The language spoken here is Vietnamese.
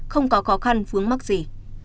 không có khó khăn vướng mắc gì